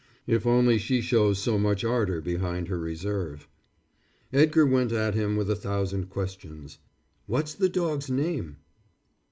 "If only she shows so much ardor behind her reserve." Edgar went at him with a thousand questions. "What's the dog's name?"